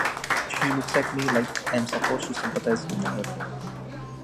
She looks at me like I’m supposed to sympathize with her.